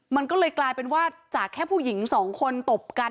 มันก็เลยกลายเป็นว่าจากแค่ผู้หญิงสองคนตบกัน